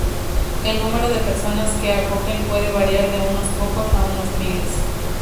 El número de personas que acogen puede variar de unos pocos a unos miles.